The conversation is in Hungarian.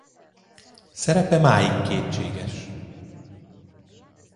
Szerepe máig kétséges.